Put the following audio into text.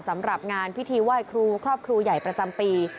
สำหรับงานพิธีไหว้ครูครอบครูใหญ่ประจำปี